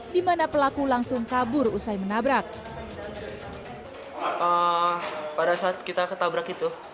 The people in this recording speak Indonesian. di mana pelaku langsung kabur usai menabrak